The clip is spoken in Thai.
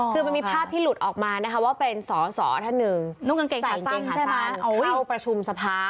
คือมันมีภาพที่หลุดออกมานะคะว่าเป็นสสทใส่เกงขาสั้นเข้าประชุมสภา